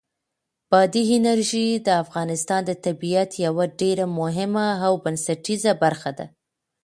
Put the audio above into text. بادي انرژي د افغانستان د طبیعت یوه ډېره مهمه او بنسټیزه برخه ده.